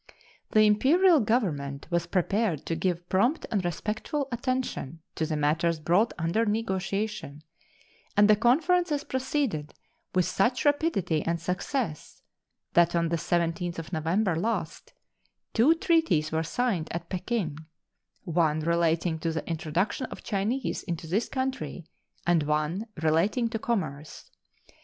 The Imperial Government was prepared to give prompt and respectful attention to the matters brought under negotiation, and the conferences proceeded with such rapidity and success that on the 17th of November last two treaties were signed at Peking, one relating to the introduction of Chinese into this country and one relating to commerce.